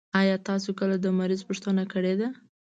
آيا تاسو کله د مريض پوښتنه کړي ده؟